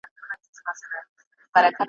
مُلا کوټوال وي مُلا ډاکتر وي ,